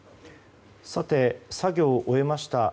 作業を終えました。